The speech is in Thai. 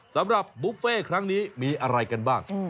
สำหรับบุฟเฟ่ครั้งนี้มีอะไรกันบ้าง